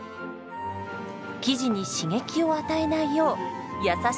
生地に刺激を与えないよう優しく丁寧に。